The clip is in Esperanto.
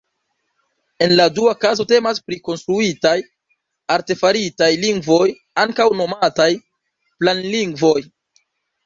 En la dua kazo temas pri konstruitaj, artefaritaj lingvoj, ankaŭ nomataj "planlingvoj".